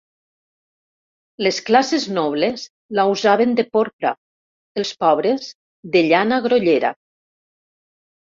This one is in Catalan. Les classes nobles la usaven de porpra, els pobres de llana grollera.